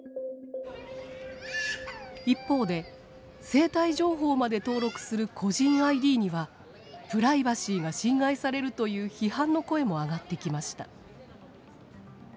一方で生体情報まで登録する個人ＩＤにはプライバシーが侵害されるという批判の声も上がってきました。